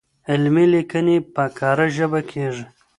علمي ليکنې په کره ژبه کيږي.